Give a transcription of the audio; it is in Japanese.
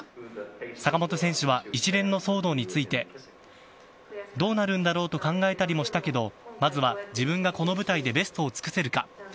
坂本選手は一連の騒動について、どうなるんだろうと考えたりもしたけど、まずは自分がこの舞台でベストを尽くせるか。